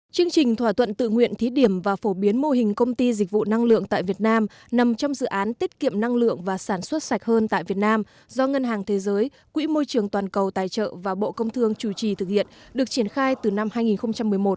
chương trình thỏa thuận tự nguyện thí điểm và phổ biến mô hình công ty dịch vụ năng lượng tại việt nam nằm trong dự án tiết kiệm năng lượng và sản xuất sạch hơn tại việt nam do ngân hàng thế giới quỹ môi trường toàn cầu tài trợ và bộ công thương chủ trì thực hiện được triển khai từ năm hai nghìn một mươi một